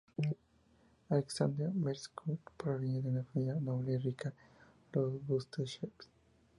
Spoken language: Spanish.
Aleksandr Bestúzhev provenía de una familia noble y rica, los Bestúzhev.